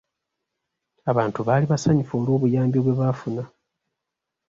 Abantu baali basanyufu olw'obuyambi bwe baafuna.